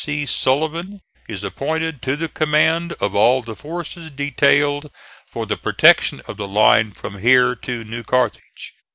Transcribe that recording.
C. Sullivan is appointed to the command of all the forces detailed for the protection of the line from here to New Carthage.